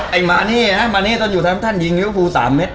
ไอ้มันนี่มันนี่ต้องอยู่ท่านยิงวิวคูฮู๓เม็ด